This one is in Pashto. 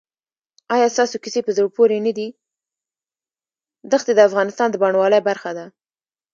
دښتې د افغانستان د بڼوالۍ برخه ده.